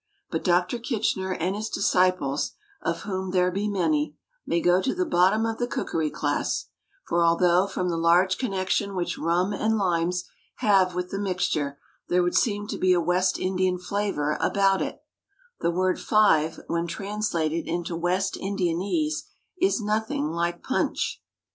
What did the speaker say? But Doctor Kitchener and his disciples (of whom there be many) may go to the bottom of the cookery class; for although from the large connection which rum and limes have with the mixture, there would seem to be a West Indian flavour about it; the word "five," when translated into West Indianese, is nothing like "punch."